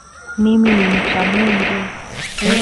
Mimi ni mcha Mungu